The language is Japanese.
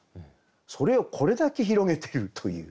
それをこれだけ広げているという。